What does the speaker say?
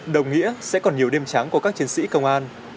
đồng nghĩa sẽ còn nhiều đêm tráng của các chiến sĩ công an